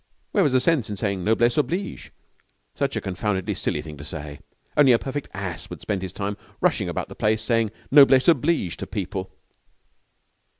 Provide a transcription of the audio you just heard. Where was the sense in saying noblesse oblige? Such a confoundedly silly thing to say. Only a perfect ass would spend his time rushing about the place saying noblesse oblige to people.